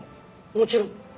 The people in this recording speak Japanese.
もちろん。